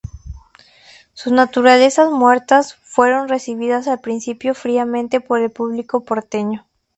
Sus naturalezas muertas, fueron recibidas al principio fríamente por el público porteño.